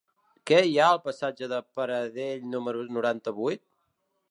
Què hi ha al passatge de Pedrell número noranta-vuit?